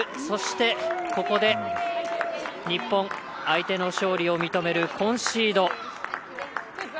そして、ここで日本相手の勝利を認めるコンシード。